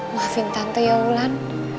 maafin tante yaulan